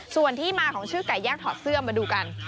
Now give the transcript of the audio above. ส่วนที่มาของชื่อไก่ย่างถอดเสื้อมาดูกัน